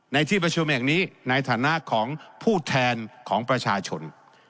ในที่ประชุมแห่งนี้ในฐานะของผู้แทนของประชาชน